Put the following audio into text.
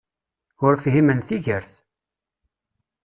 Ur fhimen tigert!